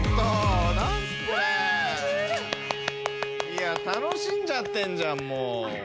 いや楽しんじゃってんじゃん。